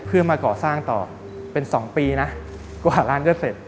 เพื่อมาก่อสร้างต่อเป็น๒ปีนะกว่าร้านจะเสร็จ